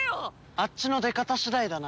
あっちの出方次第だな。